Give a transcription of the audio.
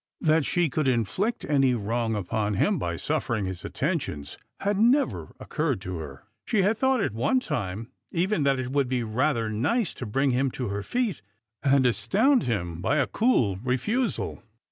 That she could inflict any wrong upon him by suffering his attentions had never occurred to her. She had thought at one time even that it would be rather nice to bring him to her feet, and astound him by a cool refusal.